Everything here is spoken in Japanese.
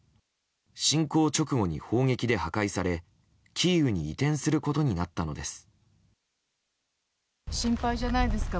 侵攻直後に砲撃で破壊されキーウに移転することになったのです。